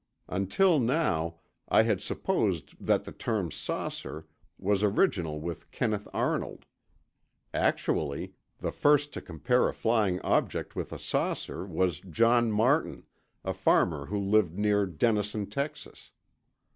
Until now, I had supposed that the term "saucer" was original with Kenneth Arnold. Actually, the first to compare a flying object with a saucer was John Martin, a farmer who lived near Denison, Texas.